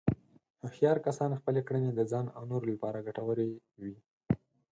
هوښیار کسان خپلې کړنې د ځان او نورو لپاره ګټورې وي.